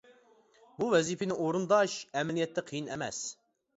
بۇ ۋەزىپىنى ئورۇنداش ئەمەلىيەتتە قىيىن ئەمەس.